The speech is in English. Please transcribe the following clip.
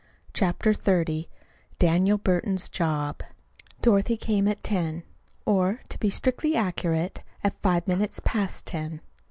CHAPTER XXX DANIEL BURTON'S "JOB" Dorothy came at ten, or, to be strictly accurate, at five minutes past ten.